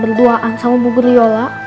berduaan sama bu griola